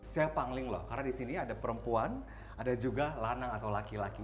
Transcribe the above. saya pangling loh karena di sini ada perempuan ada juga lanang atau laki laki